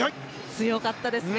強かったですね！